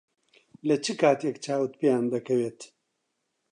لە چ کاتێک چاوت پێیان دەکەوێت؟